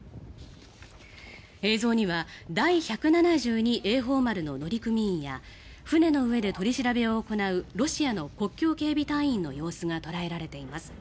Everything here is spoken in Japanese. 映像には「第１７２栄寶丸」の乗組員や船の上で取り締まりを行うロシアの国境警備隊員の様子が捉えられています。